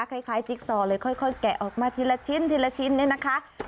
จิ๊กซอเลยค่อยแกะออกมาทีละชิ้นทีละชิ้นเนี่ยนะคะ